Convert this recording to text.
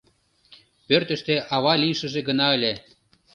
Пӧртыштӧ ава лийшыже гына ыле.